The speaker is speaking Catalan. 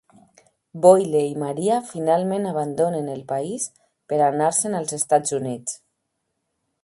Boyle i Maria finalment abandonen el país per a anar-se'n als Estats Units.